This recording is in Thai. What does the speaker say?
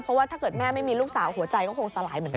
เพราะว่าถ้าเกิดแม่ไม่มีลูกสาวหัวใจก็คงสลายเหมือนกัน